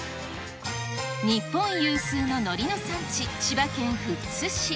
日本有数のノリの産地、千葉県富津市。